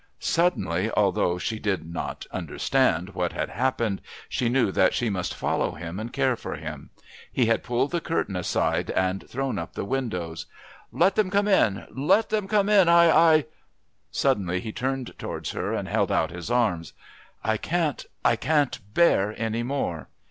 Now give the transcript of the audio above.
Suddenly, although she still did not understand what had happened, she knew that she must follow him and care for him. He had pulled the curtains aside and thrown up the windows. "Let them come in! Let them come in! I I " Suddenly he turned towards her and held out his arms. "I can't I can't bear any more."